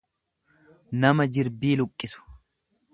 nama jirbii luqqisu.